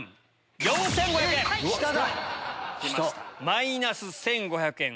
マイナス１５００円。